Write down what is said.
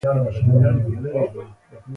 اتي ولاړم کورته